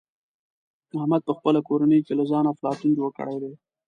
احمد په خپله کورنۍ کې له ځانه افلاطون جوړ کړی دی.